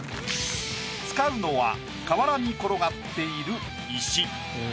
使うのは川原に転がっている石。